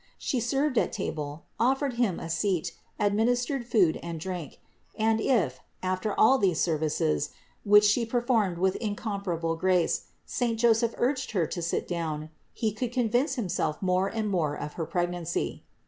She served at table, offered him a seat, administered food and drink, and if, after all these services, which She performed with incomparable grace, saint Joseph urged Her to sit down, he could convince himself more and more of her pregnancy.